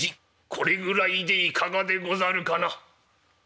これぐらいでいかがでござるかな」。